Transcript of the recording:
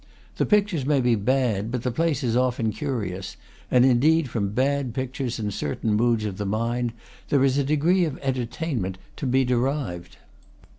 The pictures may be bad, but the place is often curious; and, indeed, from bad pictures, in certain moods of the mind, there is a degree of entertainment to be derived.